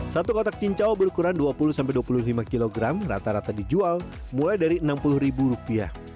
satu kotak cincau berukuran dua puluh dua puluh lima kg rata rata dijual mulai dari rp enam puluh